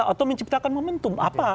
atau menciptakan momentum